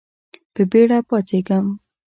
په بېړه پاڅېږم .